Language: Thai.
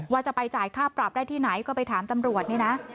ว่าจะไปจ่ายค่าปรับได้ที่ไหนก็ไปถามตำรวจนี่นะ